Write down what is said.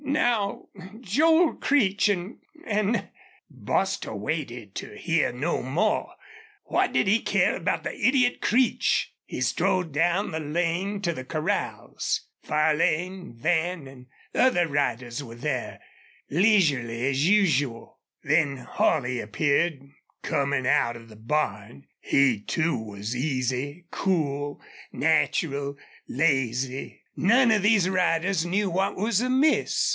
Now, Joel Creech an' an' " Bostil waited to hear no more. What did he care about the idiot Creech? He strode down the lane to the corrals. Farlane, Van, and other riders were there, leisurely as usual. Then Holley appeared, coming out of the barn. He, too, was easy, cool, natural, lazy. None of these riders knew what was amiss.